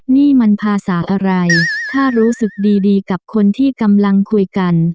นี่มันภาษาอะไรถ้ารู้สึกดีกับคนที่กำลังคุยกัน